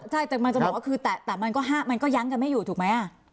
ใช่แต่มันจะบอกว่าคือแต่มันก็ยั้งกันไม่อยู่ถูกไหม